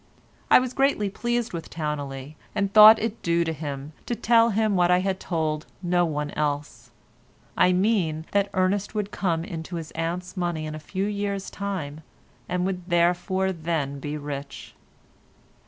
I was greatly pleased with Towneley, and thought it due to him to tell him what I had told no one else. I mean that Ernest would come into his aunt's money in a few years' time, and would therefore then be rich.